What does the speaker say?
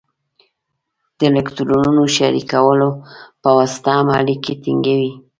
د الکترونونو شریکولو په واسطه هم اړیکې ټینګوي.